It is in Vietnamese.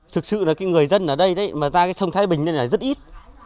thực sự là người dân ở đây mà ra sông thái bình này là rất ít